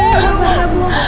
ya allah bu